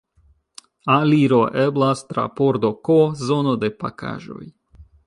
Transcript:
Aliro eblas tra pordo K, zono de pakaĵoj.